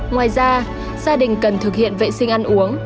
ngoài ra gia đình cần thực hiện vệ sinh ăn uống